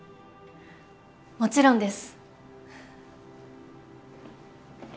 もちろんです。